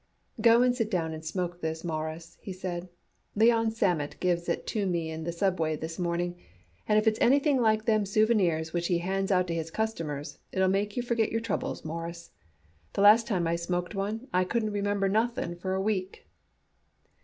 "Go and sit down and smoke this, Mawruss," he said. "Leon Sammet gives it to me in the subway this morning, and if it's anything like them souvenirs which he hands it out to his customers, it'll make you forget your troubles, Mawruss. The last time I smoked one, I couldn't remember nothing for a week."